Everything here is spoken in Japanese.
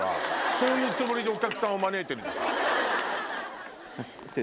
そういうつもりでお客さんを招いてるのか？